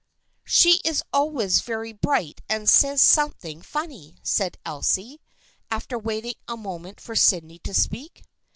"" She is always very bright and says something funny," said Elsie, after waiting a moment for Sydney to speak.